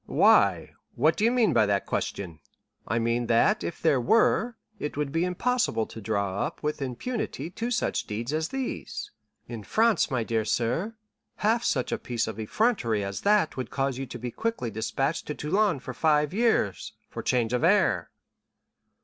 "Why?—what do you mean by that question?" "I mean that if there were, it would be impossible to draw up with impunity two such deeds as these. In France, my dear sir, half such a piece of effrontery as that would cause you to be quickly despatched to Toulon for five years, for change of air."